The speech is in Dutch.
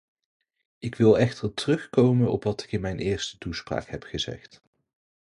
Ik wil echter terugkomen op wat ik in mijn eerste toespraak heb gezegd.